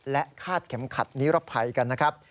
และคาดเข็มขัดนิรภัยกันนะครับ